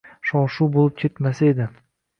Shov-shuv bo‘lib ketmasa edi.